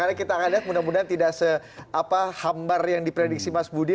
karena kita akan lihat mudah mudahan tidak sehambar yang diprediksi mas budi